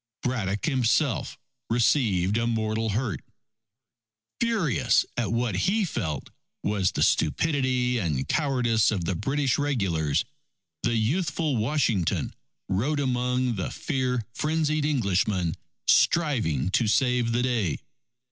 Braddock himself received a mortal hurt. Furious at what he felt was the stupidity and cowardice of the British regulars, the youthful Washington rode among the fear frenzied Englishmen striving to save the day.